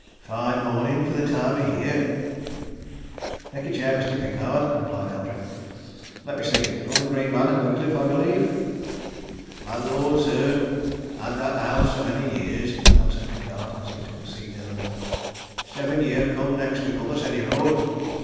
"Fine morning for the time of year!" "Take a chair, Mr. Pickard," replied Eldrick. "Let me see from the Green Man, at Whitcliffe, I believe?" "Landlord, sir had that house a many years," answered Pickard, as he took a seat near the wall. "Seven year come next Michaelmas, any road."